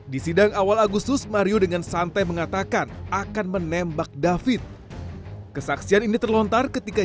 di dan awal agustus mario dengan santai mengatakan akan menembak david kesaksian ini terlontar ketika